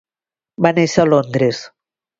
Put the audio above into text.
Va néixer a Londres.